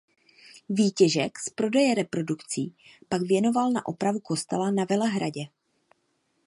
Výtěžek z prodeje reprodukcí pak věnoval na opravu kostela na Velehradě.